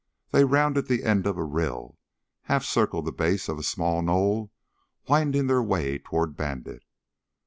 They rounded the end of a rill, half circled the base of a small knoll, winding their way toward Bandit.